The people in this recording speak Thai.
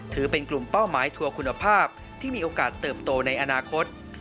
ถือเป็นกลุ่มเป้าหมายทัวร์คุณภาพที่มีโอกาสเติบโตในอนาคต